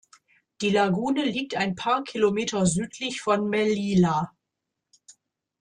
Die Lagune liegt ein paar Kilometer südlich von Melilla.